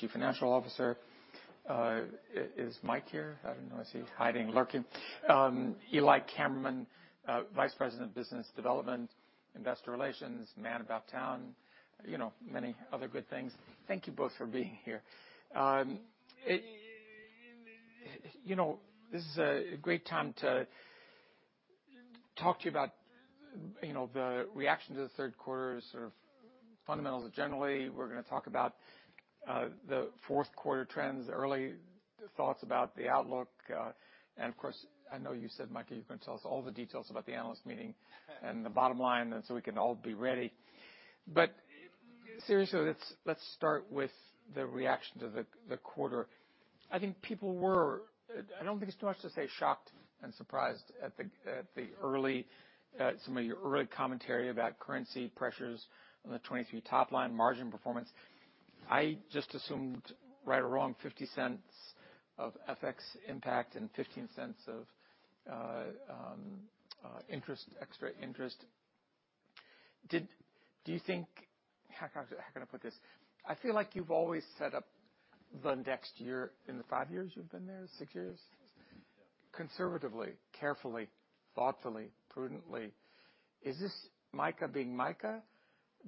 Chief Financial Officer. Is Micah here? I don't know. Is he hiding, lurking? Eli Kammerman, Vice President of Business Development, Investor Relations, man about town, you know, many other good things. Thank you both for being here. You know, this is a great time to talk to you about, you know, the reaction to the third quarter, sort of fundamentals generally. We're going to talk about the fourth quarter trends, early thoughts about the outlook. Of course, I know you said, Micah, you're going to tell us all the details about the analyst meeting and the bottom line, and so we can all be ready. Seriously, let's start with the reaction to the quarter. I think people were, I don't think it's too much to say, shocked and surprised at the early, some of your early commentary about currency pressures on the 2023 top line, margin performance. I just assumed, right or wrong, $0.50 of FX impact and $0.15 of interest, extra interest. Do you think, how can I put this? I feel like you've always set up the next year in the five years you've been there, six years, conservatively, carefully, thoughtfully, prudently. Is this Micah being Micah?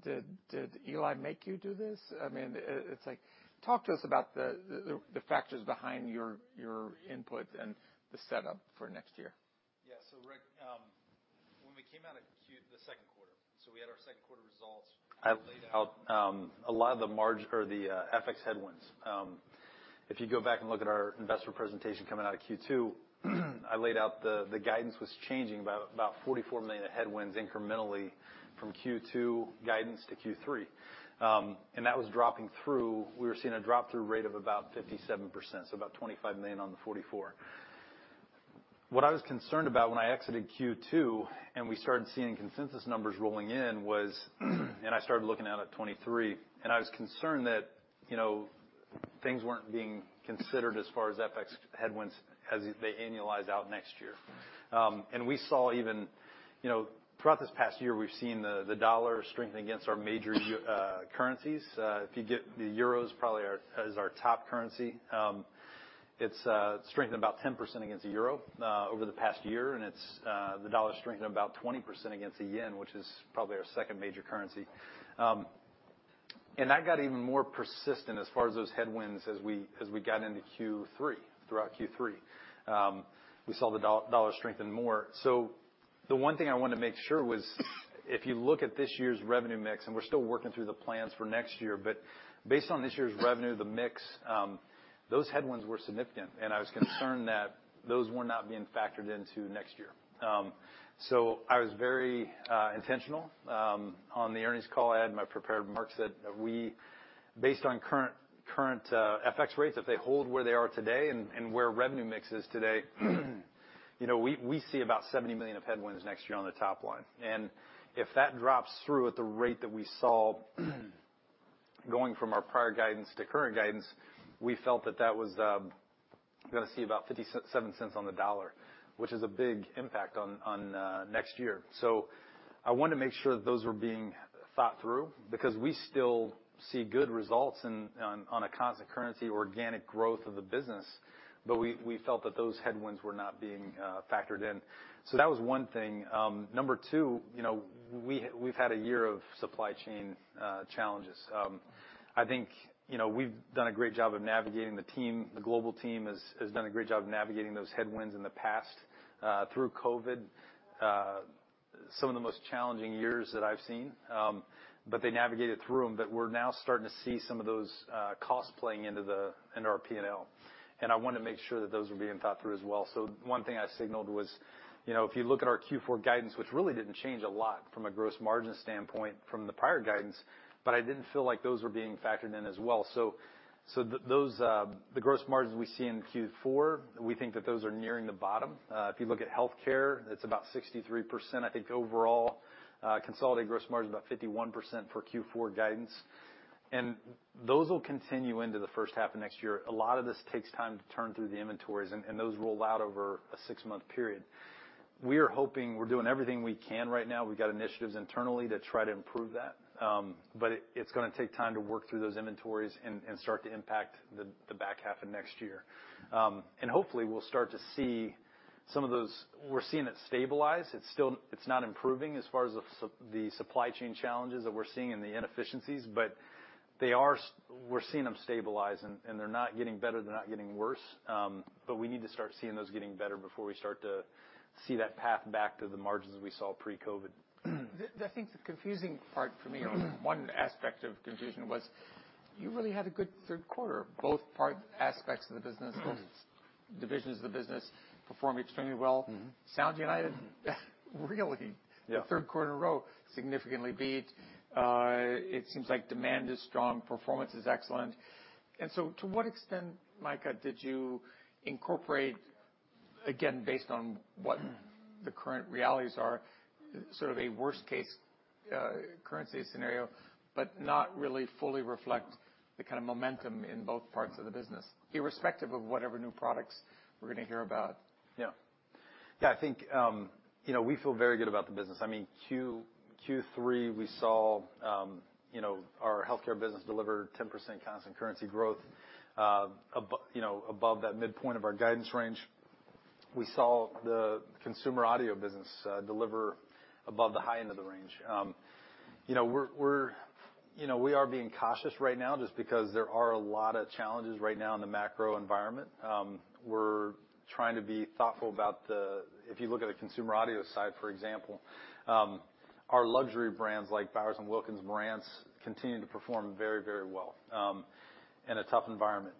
Did Eli make you do this? I mean, it's like, talk to us about the factors behind your input and the setup for next year. Yeah. So, Rick, when we came out of Q2, the second quarter, so we had our second quarter results. I laid out a lot of the margin or the FX headwinds. If you go back and look at our investor presentation coming out of Q2, I laid out the guidance was changing about $44 million of headwinds incrementally from Q2 guidance to Q3. And that was dropping through. We were seeing a drop-through rate of about 57%, so about $25 million on the $44 million. What I was concerned about when I exited Q2 and we started seeing consensus numbers rolling in was, and I started looking out at 2023, and I was concerned that, you know, things weren't being considered as far as FX headwinds as they annualize out next year. And we saw even, you know, throughout this past year, we've seen the dollar strengthen against our major currencies. If you get the euro, probably as our top currency, it's strengthened about 10% against the euro over the past year, and the dollar's strengthened about 20% against the yen, which is probably our second major currency. That got even more persistent as far as those headwinds as we got into Q3, throughout Q3. We saw the dollar strengthen more. The one thing I wanted to make sure was, if you look at this year's revenue mix, and we're still working through the plans for next year, but based on this year's revenue, the mix, those headwinds were significant, and I was concerned that those were not being factored into next year. I was very intentional on the earnings call. I had my prepared remarks that we, based on current FX rates, if they hold where they are today and where revenue mix is today, you know, we see about $70 million of headwinds next year on the top line, and if that drops through at the rate that we saw going from our prior guidance to current guidance, we felt that that was going to see about 57 cents on the dollar, which is a big impact on next year, so I wanted to make sure that those were being thought through because we still see good results on a constant currency, organic growth of the business, but we felt that those headwinds were not being factored in, so that was one thing. Number two, you know, we've had a year of supply chain challenges. I think, you know, we've done a great job of navigating them. The global team has done a great job of navigating those headwinds in the past through COVID, some of the most challenging years that I've seen, but they navigated through them, but we're now starting to see some of those costs playing into our P&L, and I wanted to make sure that those were being thought through as well. So one thing I signaled was, you know, if you look at our Q4 guidance, which really didn't change a lot from a gross margin standpoint from the prior guidance, but I didn't feel like those were being factored in as well, so those, the gross margins we see in Q4, we think that those are nearing the bottom. If you look at healthcare, it's about 63%. I think overall consolidated gross margin is about 51% for Q4 guidance, and those will continue into the first half of next year. A lot of this takes time to turn through the inventories, and those roll out over a six-month period. We are hoping we're doing everything we can right now. We've got initiatives internally to try to improve that, but it's going to take time to work through those inventories and start to impact the back half of next year. And hopefully, we'll start to see some of those. We're seeing it stabilize. It's not improving as far as the supply chain challenges that we're seeing and the inefficiencies, but they are. We're seeing them stabilize, and they're not getting better. They're not getting worse. But we need to start seeing those getting better before we start to see that path back to the margins we saw pre-COVID. I think the confusing part for me, or one aspect of confusion, was you really had a good third quarter. Both aspects of the business, both divisions of the business performed extremely well. Sound United really, the third quarter in a row, significantly beat. It seems like demand is strong. Performance is excellent. And so to what extent, Micah, did you incorporate, again, based on what the current realities are, sort of a worst-case currency scenario, but not really fully reflect the kind of momentum in both parts of the business, irrespective of whatever new products we're going to hear about? Yeah. Yeah, I think, you know, we feel very good about the business. I mean, Q3, we saw, you know, our healthcare business delivered 10% constant currency growth, you know, above that midpoint of our guidance range. We saw the consumer audio business deliver above the high end of the range. You know, we're, you know, we are being cautious right now just because there are a lot of challenges right now in the macro environment. We're trying to be thoughtful about the. If you look at the consumer audio side, for example, our luxury brands like Bowers & Wilkins, Marantz continue to perform very, very well in a tough environment.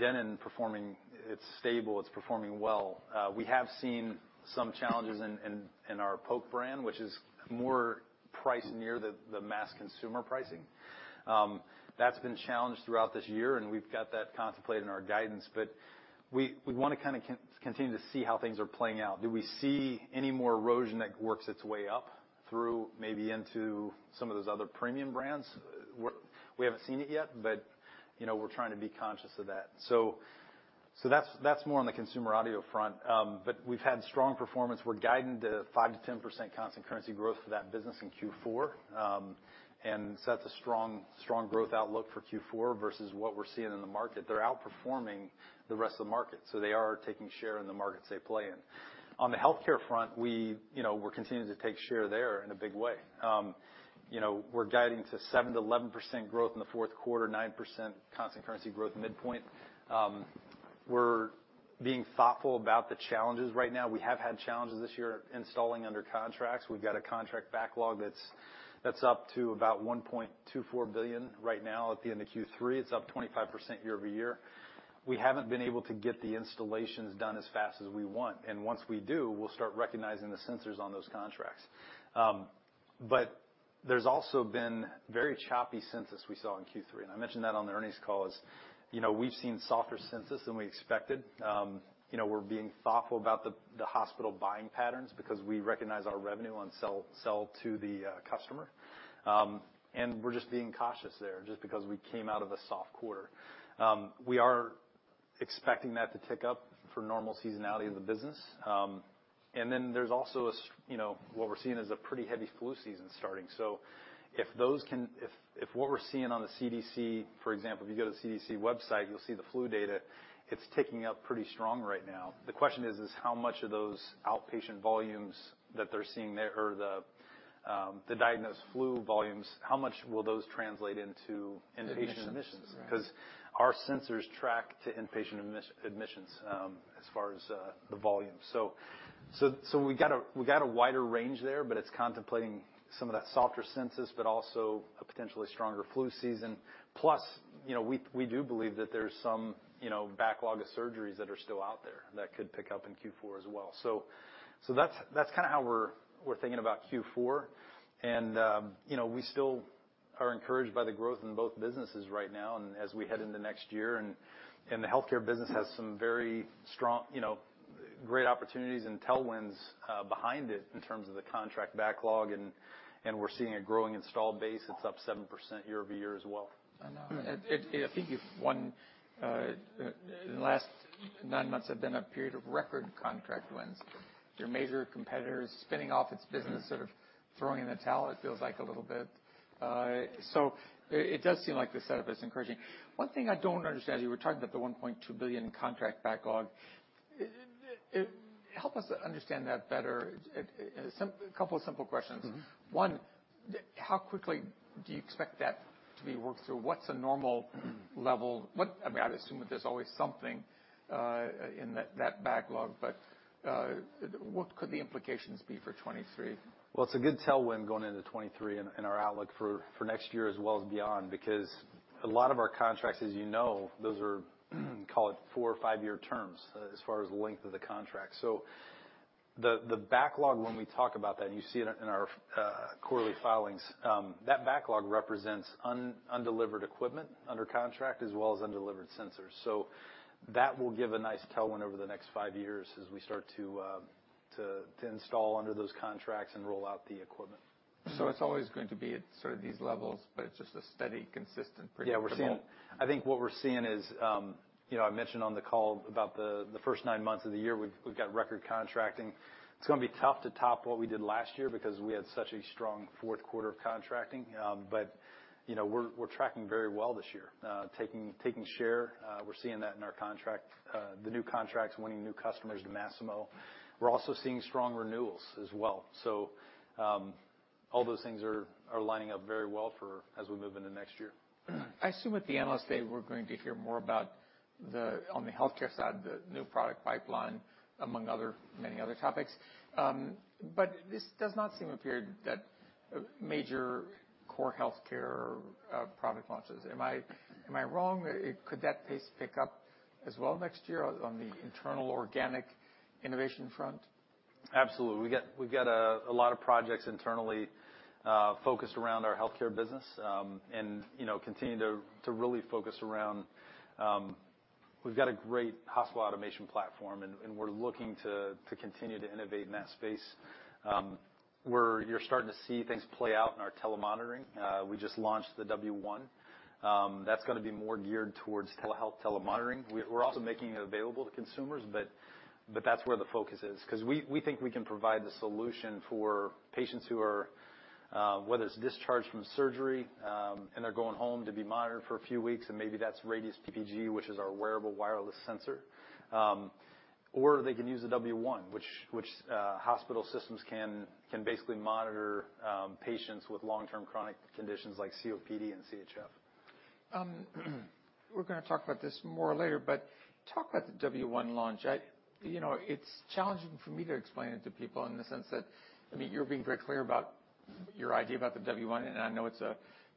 Denon performing. It's stable. It's performing well. We have seen some challenges in our Polk brand, which is more priced near the mass consumer pricing. That's been challenged throughout this year, and we've got that contemplated in our guidance. But we want to kind of continue to see how things are playing out. Do we see any more erosion that works its way up through maybe into some of those other premium brands? We haven't seen it yet, but, you know, we're trying to be conscious of that. So that's more on the consumer audio front. But we've had strong performance. We're guiding to 5%-10% constant currency growth for that business in Q4. And so that's a strong, strong growth outlook for Q4 versus what we're seeing in the market. They're outperforming the rest of the market, so they are taking share in the markets they play in. On the healthcare front, we, you know, we're continuing to take share there in a big way. You know, we're guiding to 7%-11% growth in the fourth quarter, 9% constant currency growth midpoint. We're being thoughtful about the challenges right now. We have had challenges this year installing under contracts. We've got a contract backlog that's up to about $1.24 billion right now at the end of Q3. It's up 25% year-over-year. We haven't been able to get the installations done as fast as we want. And once we do, we'll start recognizing the sensors on those contracts. But there's also been very choppy census we saw in Q3. And I mentioned that on the earnings call as, you know, we've seen softer census than we expected. You know, we're being thoughtful about the hospital buying patterns because we recognize our revenue on sell to the customer. And we're just being cautious there just because we came out of a soft quarter. We are expecting that to tick up for normal seasonality of the business. And then there's also a, you know, what we're seeing is a pretty heavy flu season starting. So if what we're seeing on the CDC, for example, if you go to the CDC website, you'll see the flu data, it's ticking up pretty strong right now. The question is, how much of those outpatient volumes that they're seeing there or the diagnosed flu volumes will those translate into inpatient admissions? Because our sensors track to inpatient admissions as far as the volume. So we got a wider range there, but it's contemplating some of that softer census, but also a potentially stronger flu season. Plus, you know, we do believe that there's some, you know, backlog of surgeries that are still out there that could pick up in Q4 as well. So that's kind of how we're thinking about Q4. And, you know, we still are encouraged by the growth in both businesses right now and as we head into next year. And the healthcare business has some very strong, you know, great opportunities and tailwinds behind it in terms of the contract backlog. And we're seeing a growing install base. It's up 7% year-over-year as well. I know. I think your wins in the last nine months have been a period of record contract wins. Your major competitors spinning off its business, sort of throwing in the towel, it feels like a little bit, so it does seem like the setup is encouraging. One thing I don't understand. As you were talking about the $1.2 billion contract backlog, help us understand that better. A couple of simple questions. One, how quickly do you expect that to be worked through? What's a normal level? I mean, I would assume that there's always something in that backlog, but what could the implications be for 2023? It's a good tailwind going into 2023 in our outlook for next year as well as beyond because a lot of our contracts, as you know, those are called four or five-year terms as far as the length of the contract. So the backlog, when we talk about that, and you see it in our quarterly filings, that backlog represents undelivered equipment under contract as well as undelivered sensors. So that will give a nice tailwind over the next five years as we start to install under those contracts and roll out the equipment. So it's always going to be at sort of these levels, but it's just a steady, consistent pretty tailwind. Yeah. I think what we're seeing is, you know, I mentioned on the call about the first nine months of the year. We've got record contracting. It's going to be tough to top what we did last year because we had such a strong fourth quarter of contracting. But, you know, we're tracking very well this year, taking share. We're seeing that in our contract, the new contracts, winning new customers to Masimo. We're also seeing strong renewals as well. So all those things are lining up very well for us as we move into next year. I assume at the analyst day, we're going to hear more about the, on the healthcare side, the new product pipeline, among many other topics. But this does not seem to appear that major core healthcare product launches. Am I wrong? Could that pace pick up as well next year on the internal organic innovation front? Absolutely. We've got a lot of projects internally focused around our healthcare business and, you know, continue to really focus around. We've got a great hospital automation platform, and we're looking to continue to innovate in that space. We're starting to see things play out in our telemonitoring. We just launched the W1. That's going to be more geared towards telehealth telemonitoring. We're also making it available to consumers, but that's where the focus is because we think we can provide the solution for patients who are, whether it's discharged from surgery and they're going home to be monitored for a few weeks, and maybe that's Radius PPG, which is our wearable wireless sensor, or they can use the W1, which hospital systems can basically monitor patients with long-term chronic conditions like COPD and CHF. We're going to talk about this more later, but talk about the W1 launch. You know, it's challenging for me to explain it to people in the sense that, I mean, you're being very clear about your idea about the W1, and I know it's a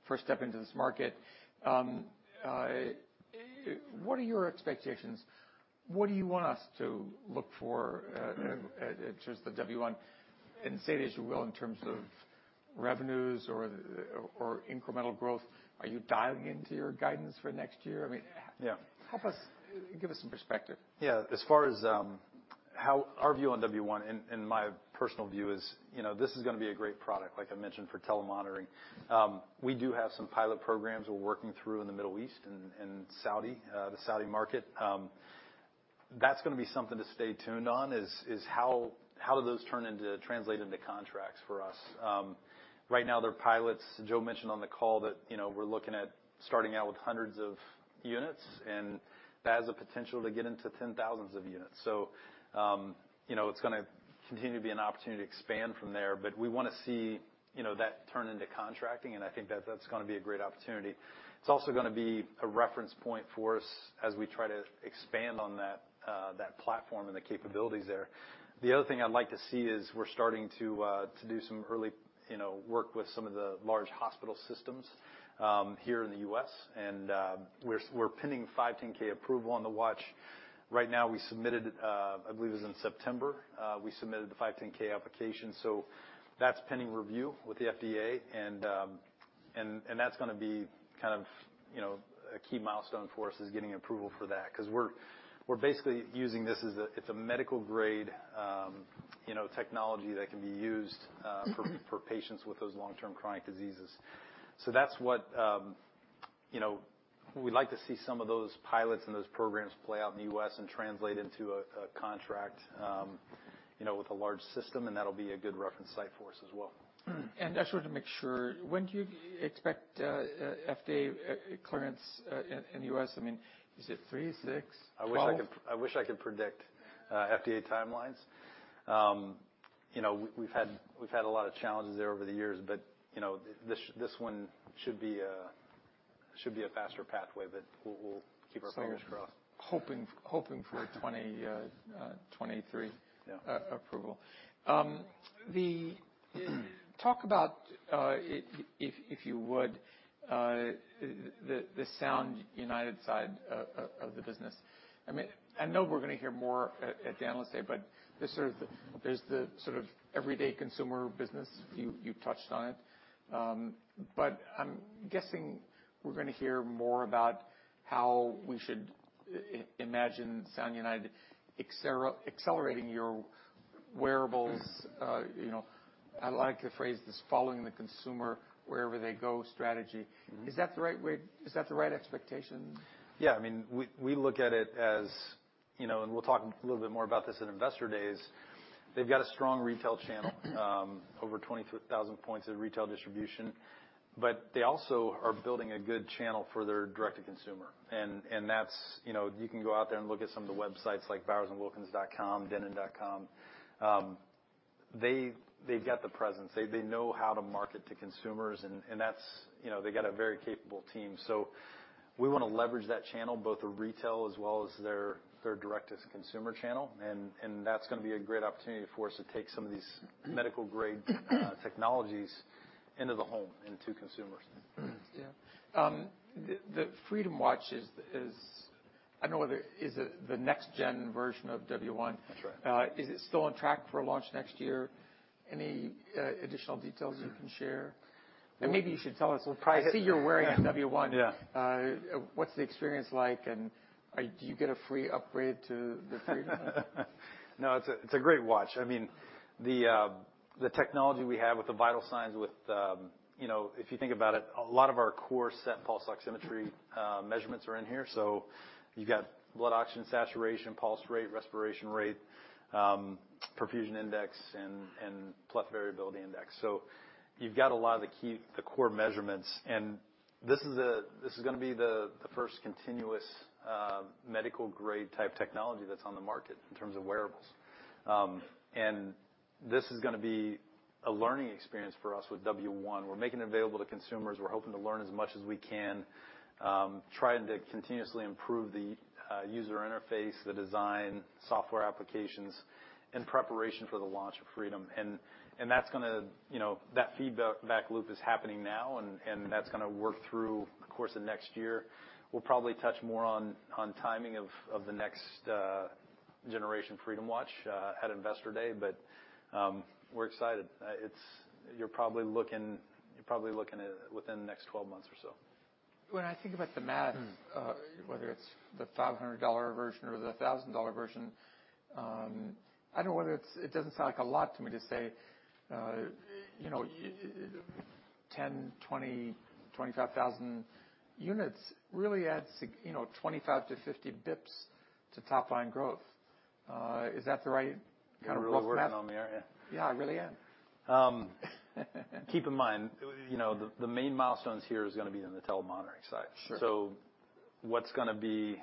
first step into this market. What are your expectations? What do you want us to look for in terms of the W1, and say it as you will in terms of revenues or incremental growth? Are you dialing into your guidance for next year? I mean, help us give us some perspective. Yeah. As far as how our view on W1, and my personal view is, you know, this is going to be a great product, like I mentioned, for telemonitoring. We do have some pilot programs we're working through in the Middle East and Saudi, the Saudi market. That's going to be something to stay tuned on is how do those turn into, translate into contracts for us. Right now, there are pilots. Joe mentioned on the call that, you know, we're looking at starting out with hundreds of units, and that has the potential to get into 10,000s of units. So, you know, it's going to continue to be an opportunity to expand from there. But we want to see, you know, that turn into contracting, and I think that that's going to be a great opportunity. It's also going to be a reference point for us as we try to expand on that platform and the capabilities there. The other thing I'd like to see is we're starting to do some early, you know, work with some of the large hospital systems here in the U.S. And we're pending 510(k) approval on the watch. Right now, we submitted, I believe it was in September, we submitted the 510(k) application. So that's pending review with the FDA. And that's going to be kind of, you know, a key milestone for us is getting approval for that because we're basically using this as a, it's a medical grade, you know, technology that can be used for patients with those long-term chronic diseases. So that's what, you know, we'd like to see some of those pilots and those programs play out in the U.S. and translate into a contract, you know, with a large system. And that'll be a good reference site for us as well. I just want to make sure. When do you expect FDA clearance in the U.S.? I mean, is it three, six? I wish I could predict FDA timelines. You know, we've had a lot of challenges there over the years, but, you know, this one should be a faster pathway, but we'll keep our fingers crossed. So hoping for a 2023 approval. Talk about, if you would, the Sound United side of the business. I mean, I know we're going to hear more at the analyst day, but there's sort of the everyday consumer business. You touched on it. But I'm guessing we're going to hear more about how we should imagine Sound United accelerating your wearables. You know, I like the phrase, this following the consumer wherever they go strategy. Is that the right way? Is that the right expectation? Yeah. I mean, we look at it as, you know, and we'll talk a little bit more about this in investor days. They've got a strong retail channel, over 23,000 points of retail distribution. But they also are building a good channel for their direct-to-consumer. And that's, you know, you can go out there and look at some of the websites like bowersandwilkins.com, denon.com. They've got the presence. They know how to market to consumers. And that's, you know, they've got a very capable team. So we want to leverage that channel, both the retail as well as their direct-to-consumer channel. And that's going to be a great opportunity for us to take some of these medical-grade technologies into the home and to consumers. Yeah. The Freedom Watch is, I know it is the next-gen version of W1. Is it still on track for a launch next year? Any additional details you can share, and maybe you should tell us. I see you're wearing a W1. What's the experience like, and do you get a free upgrade to the Freedom? No, it's a great watch. I mean, the technology we have with the vital signs, with, you know, if you think about it, a lot of our core SET Pulse Oximetry measurements are in here. So you've got blood oxygen saturation, pulse rate, respiration rate, Perfusion Index, and Pleth Variability Index. So you've got a lot of the core measurements. And this is going to be the first continuous medical-grade type technology that's on the market in terms of wearables. And this is going to be a learning experience for us with W1. We're making it available to consumers. We're hoping to learn as much as we can, trying to continuously improve the user interface, the design, software applications in preparation for the launch of Freedom. And that's going to, you know, that feedback loop is happening now, and that's going to work through the course of next year. We'll probably touch more on timing of the next generation Freedom Watch at Investor Day. But we're excited. You're probably looking within the next 12 months or so. When I think about the math, whether it's the $500 version or the $1,000 version, I don't know whether it doesn't sound like a lot to me to say, you know, 10, 20, 25,000 units really adds, you know, 25-50 basis points to top-line growth. Is that the right kind of rough math? We're working on there, yeah. Yeah, I really am. Keep in mind, you know, the main milestones here are going to be in the telemonitoring side. So what's going to be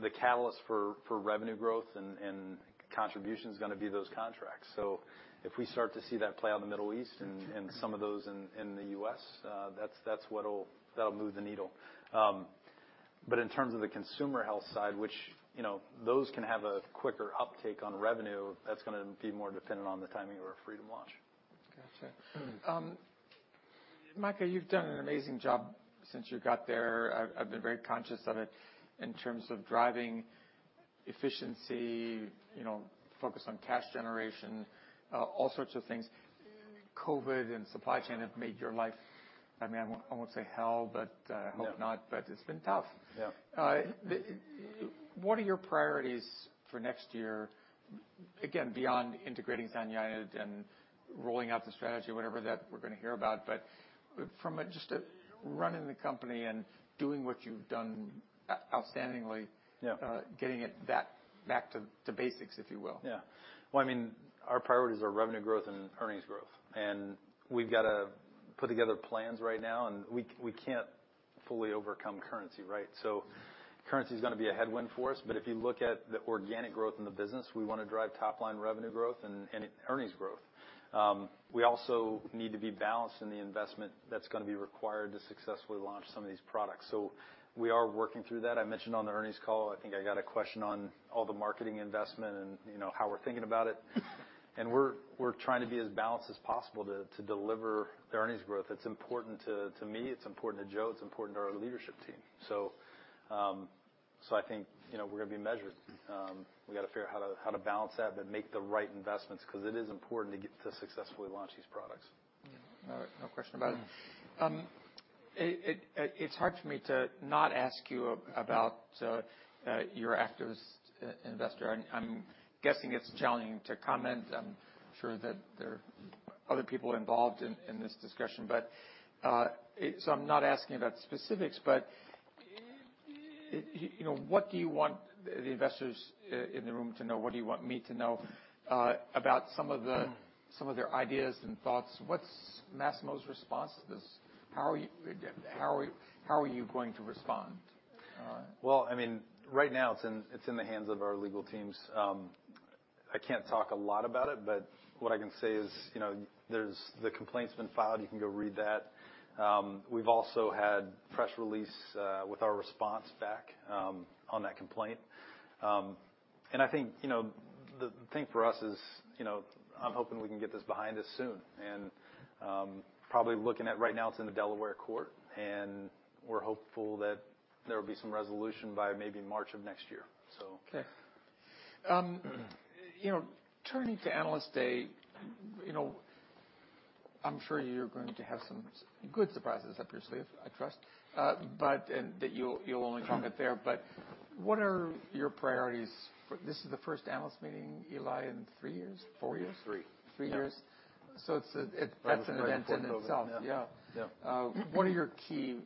the catalyst for revenue growth and contribution is going to be those contracts. So if we start to see that play out in the Middle East and some of those in the U.S., that's what'll move the needle. But in terms of the consumer health side, which, you know, those can have a quicker uptake on revenue, that's going to be more dependent on the timing of our Freedom launch. Gotcha. Micah, you've done an amazing job since you got there. I've been very conscious of it in terms of driving efficiency, you know, focus on cash generation, all sorts of things. COVID and supply chain have made your life, I mean, I won't say hell, but I hope not, but it's been tough. What are your priorities for next year? Again, beyond integrating Sound United and rolling out the strategy, whatever that we're going to hear about, but from just running the company and doing what you've done outstandingly, getting it back to basics, if you will. Yeah. Well, I mean, our priorities are revenue growth and earnings growth, and we've got to put together plans right now, and we can't fully overcome currency, right? So currency is going to be a headwind for us, but if you look at the organic growth in the business, we want to drive top-line revenue growth and earnings growth. We also need to be balanced in the investment that's going to be required to successfully launch some of these products, so we are working through that. I mentioned on the earnings call. I think I got a question on all the marketing investment and, you know, how we're thinking about it, and we're trying to be as balanced as possible to deliver the earnings growth. It's important to me. It's important to Joe. It's important to our leadership team, so I think, you know, we're going to be measured. We got to figure out how to balance that, but make the right investments because it is important to successfully launch these products. All right. No question about it. It's hard for me to not ask you about your activist investor. I'm guessing it's challenging to comment. I'm sure that there are other people involved in this discussion. But so I'm not asking about specifics, but, you know, what do you want the investors in the room to know? What do you want me to know about some of their ideas and thoughts? What's Masimo's response to this? How are you going to respond? I mean, right now it's in the hands of our legal teams. I can't talk a lot about it, but what I can say is, you know, the complaint's been filed. You can go read that. We've also had a press release with our response back on that complaint. And I think, you know, the thing for us is, you know, I'm hoping we can get this behind us soon. And probably looking at right now, it's in the Delaware court. And we're hopeful that there will be some resolution by maybe March of next year. So. Okay. You know, turning to Analyst Day, you know, I'm sure you're going to have some good surprises up your sleeve, I trust, but that you'll only talk about it there. But what are your priorities? This is the first analyst meeting, Eli, in three years, four years? Three. Three years. So that's an event in itself. Yeah. What are your key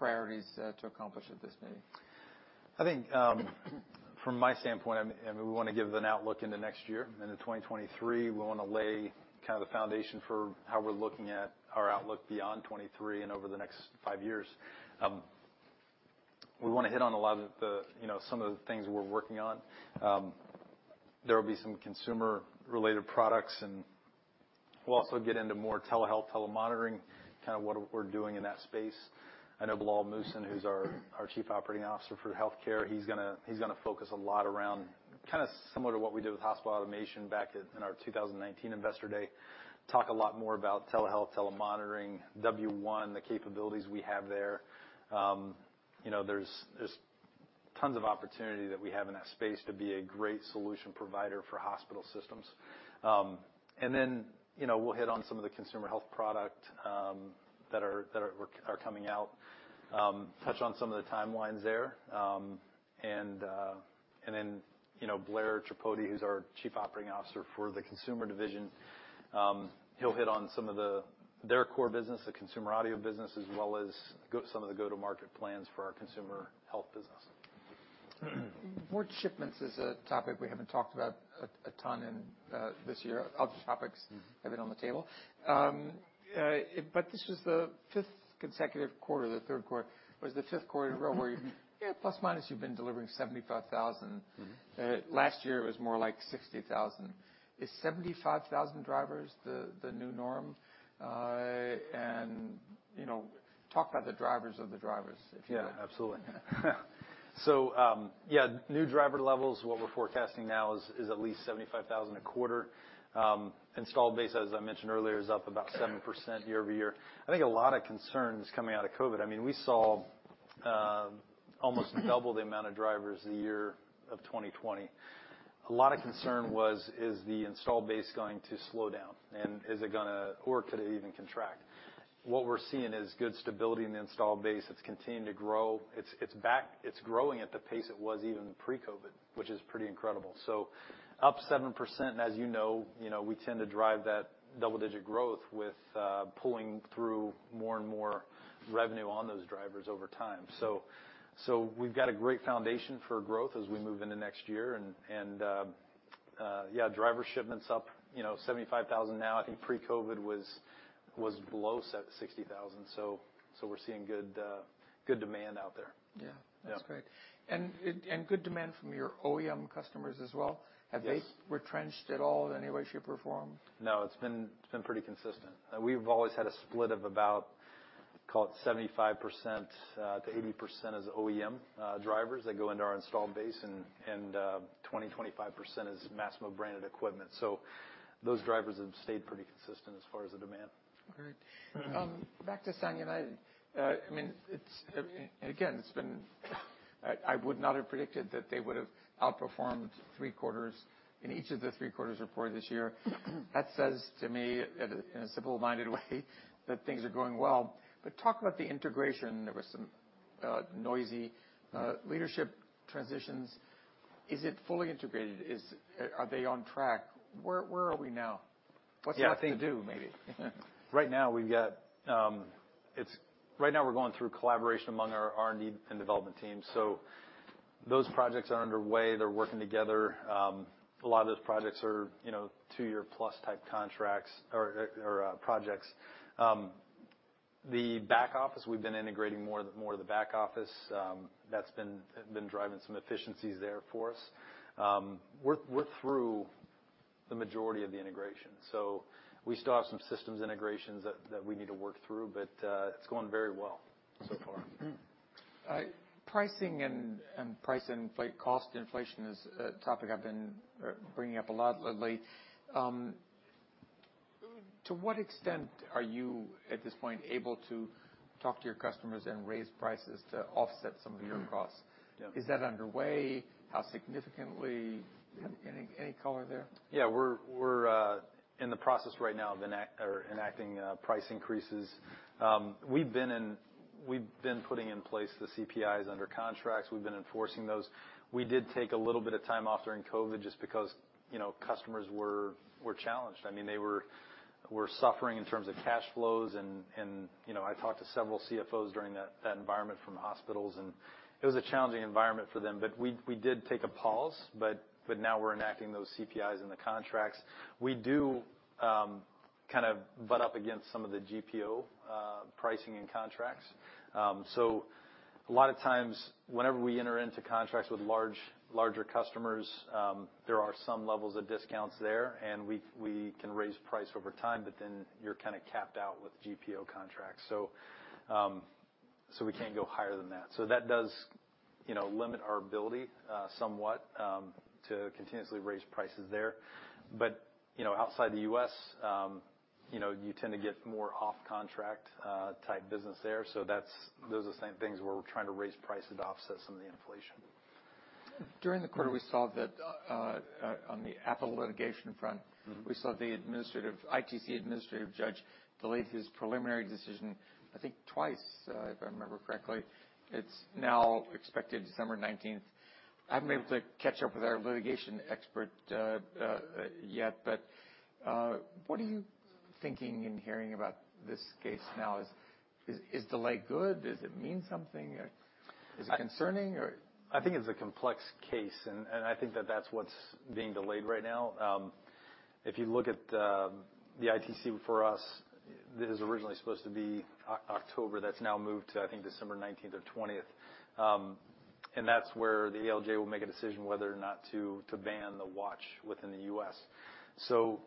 priorities to accomplish at this meeting? I think from my standpoint, I mean, we want to give an outlook into next year, and in 2023, we want to lay kind of the foundation for how we're looking at our outlook beyond 2023 and over the next five years. We want to hit on a lot of the, you know, some of the things we're working on. There will be some consumer-related products, and we'll also get into more telehealth, telemonitoring, kind of what we're doing in that space. I know Bilal Muhsin, who's our Chief Operating Officer for healthcare, he's going to focus a lot around kind of similar to what we did with hospital automation back in our 2019 investor day, talk a lot more about telehealth, telemonitoring, W1, the capabilities we have there. You know, there's tons of opportunity that we have in that space to be a great solution provider for hospital systems. And then, you know, we'll hit on some of the consumer health product that are coming out, touch on some of the timelines there. And then, you know, Blair Tripodi, who's our Chief Operating Officer for the Consumer Division, he'll hit on some of their core business, the consumer audio business, as well as some of the go-to-market plans for our consumer health business. More shipments is a topic we haven't talked about a ton in this year. Other topics have been on the table. But this was the fifth consecutive quarter, the third quarter. It was the fifth quarter in a row where you, yeah, plus minus, you've been delivering 75,000. Last year, it was more like 60,000. Is 75,000 drivers the new norm? And, you know, talk about the drivers of the drivers, if you will. Yeah, absolutely. So, yeah, new driver levels, what we're forecasting now is at least 75,000 a quarter. Installed base, as I mentioned earlier, is up about 7% year-over-year. I think a lot of concern is coming out of COVID. I mean, we saw almost double the amount of drivers the year of 2020. A lot of concern was, is the installed base going to slow down? And is it going to, or could it even contract? What we're seeing is good stability in the installed base. It's continuing to grow. It's growing at the pace it was even pre-COVID, which is pretty incredible. So up 7%. And as you know, you know, we tend to drive that double-digit growth with pulling through more and more revenue on those drivers over time. So we've got a great foundation for growth as we move into next year. And, yeah, driver shipments up, you know, 75,000 now. I think pre-COVID was below 60,000. So we're seeing good demand out there. Yeah. That's great. And good demand from your OEM customers as well. Have they retrenched at all in any way, shape, or form? No, it's been pretty consistent. We've always had a split of about, call it 75%-80% as OEM drivers that go into our installed base. And 20%-25% is Masimo branded equipment. So those drivers have stayed pretty consistent as far as the demand. Great. Back to Sound United. I mean, again, it's been. I would not have predicted that they would have outperformed three quarters in each of the three quarters reported this year. That says to me, in a simple-minded way, that things are going well. But talk about the integration. There were some noisy leadership transitions. Is it fully integrated? Are they on track? Where are we now? What's left to do, maybe? Right now, we're going through collaboration among our R&D and development teams. So those projects are underway. They're working together. A lot of those projects are, you know, two-year-plus type contracts or projects. The back office, we've been integrating more of the back office. That's been driving some efficiencies there for us. We're through the majority of the integration. So we still have some systems integrations that we need to work through, but it's going very well so far. Pricing and price inflation, cost inflation is a topic I've been bringing up a lot lately. To what extent are you, at this point, able to talk to your customers and raise prices to offset some of your costs? Is that underway? How significantly? Any color there? Yeah, we're in the process right now of enacting price increases. We've been putting in place the CPIs under contracts. We've been enforcing those. We did take a little bit of time off during COVID just because, you know, customers were challenged. I mean, they were suffering in terms of cash flows. And, you know, I talked to several CFOs during that environment from hospitals. And it was a challenging environment for them. But we did take a pause. But now we're enacting those CPIs in the contracts. We do kind of butt up against some of the GPO pricing and contracts. So a lot of times, whenever we enter into contracts with larger customers, there are some levels of discounts there. And we can raise price over time, but then you're kind of capped out with GPO contracts. So we can't go higher than that. So that does, you know, limit our ability somewhat to continuously raise prices there. But, you know, outside the U.S., you know, you tend to get more off-contract type business there. So those are the same things where we're trying to raise prices to offset some of the inflation. During the quarter, we saw that on the Apple litigation front, we saw the ITC administrative judge delayed his preliminary decision, I think twice, if I remember correctly. It's now expected December 19th. I haven't been able to catch up with our litigation expert yet. But what are you thinking and hearing about this case now? Is delay good? Does it mean something? Is it concerning? I think it's a complex case, and I think that that's what's being delayed right now. If you look at the ITC for us, it was originally supposed to be October. That's now moved to, I think, December 19th or 20th, and that's where the ALJ will make a decision whether or not to ban the watch within the U.S. So,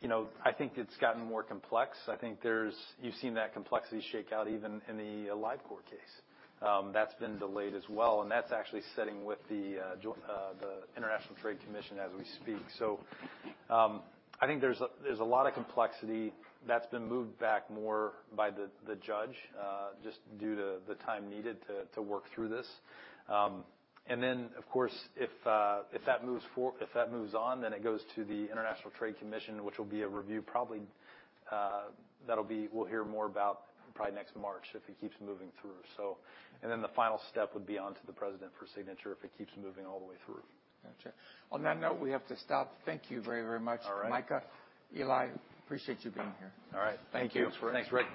you know, I think it's gotten more complex. I think there's, you've seen that complexity shake out even in the AliveCor case. That's been delayed as well, and that's actually sitting with the International Trade Commission as we speak. So I think there's a lot of complexity. That's been moved back more by the judge just due to the time needed to work through this. And then, of course, if that moves on, then it goes to the International Trade Commission, which will be a review. Probably that'll be; we'll hear more about probably next March if it keeps moving through. So, and then the final step would be onto the president for signature if it keeps moving all the way through. Gotcha. On that note, we have to stop. Thank you very, very much, Micah. All right. Eli, appreciate you being here. All right. Thank you. Thanks, Rick.